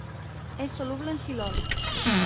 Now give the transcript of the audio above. És soluble en xilol.